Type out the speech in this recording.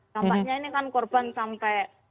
dampaknya ini kan korban sampai